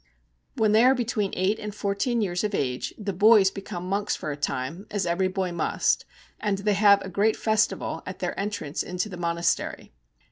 When they are between eight and fourteen years of age the boys become monks for a time, as every boy must, and they have a great festival at their entrance into the monastery.